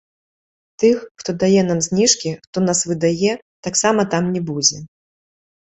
Тых, хто дае нам зніжкі, хто нас выдае, таксама там не будзе.